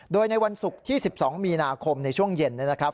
โดยในวันศุกร์ที่๑๒มีนาคมในช่วงเย็นนะครับ